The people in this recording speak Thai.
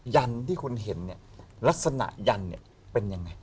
ยันที่คุณเห็นเนี่ยลักษณะยันเนี่ยเป็นยังไง